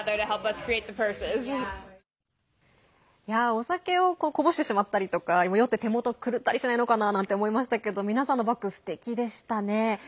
お酒をこぼしてしまったりとか酔って手元が狂ったりしないのかと思いましたけど皆さんのバッグすてきでしたね。